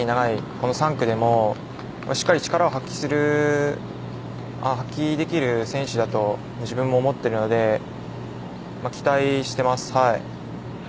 この３区でもしっかり力を発揮できる選手だと自分も思っているので期待しています。